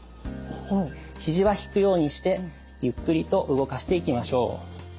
肘は引くようにしてゆっくりと動かしていきましょう。